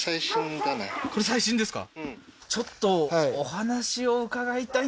これ最新ですか？